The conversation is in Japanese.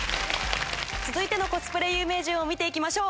続いてのコスプレ有名人を見ていきましょう。